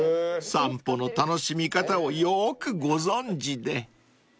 ［散歩の楽しみ方をよーくご存じで］